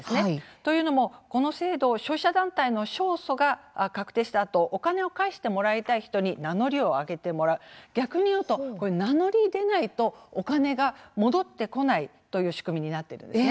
というのも、この制度消費者団体の勝訴が確定したあとお金を返してもらいたい人に名乗りを上げてもらう逆に言うと名乗り出ないとお金が戻ってこないという仕組みになっているんです。